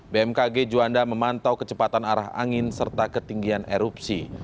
bmkg juanda memantau kecepatan arah angin serta ketinggian erupsi